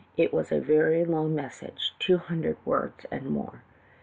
It was a very long mes sage — two hundred words and more.